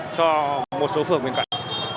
cho một số phường bên cạnh